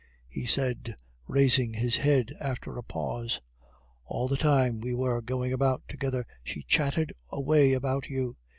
he said, raising his head after a pause. "All the time we were going about together she chatted away about you.